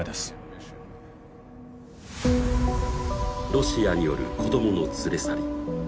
ロシアによる子どもの連れ去り